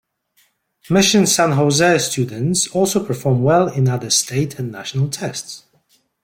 Mission San Jose students also perform well in other state and national tests.